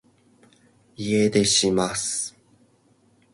家出します